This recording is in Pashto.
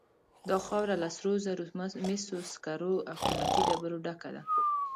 دا خاوره له سرو زرو، مسو، سکرو او قیمتي ډبرو ډکه ده.